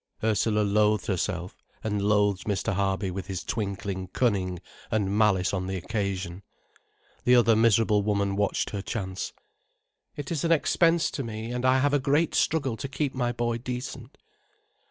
Ursula loathed herself, and loathed Mr. Harby with his twinkling cunning and malice on the occasion. The other miserable woman watched her chance. "It is an expense to me, and I have a great struggle to keep my boy decent."